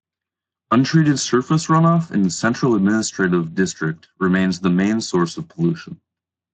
Untreated surface runoff in the Central Administrative District remains the main source of pollution.